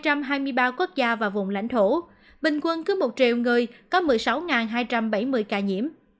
trên hai trăm hai mươi ba quốc gia và vùng lãnh thổ bình quân cứ một triệu người có một mươi sáu hai trăm bảy mươi ca nhiễm